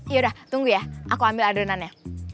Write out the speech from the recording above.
yaudah tunggu ya aku ambil adonannya